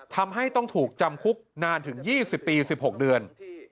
ทำให้ต้องถูกจำคุกนานถึง๒๐ปี๑๖เดือน